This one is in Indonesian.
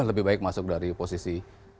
lebih baik masuk dari posisi